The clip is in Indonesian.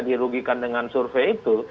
dirugikan dengan survei itu